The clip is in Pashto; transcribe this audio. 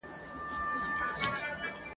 څپه څپه را ځه توپانه پر ما ښه لګیږي !.